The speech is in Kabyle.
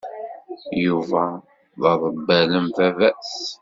Yuba d aḍebbal am baba-s.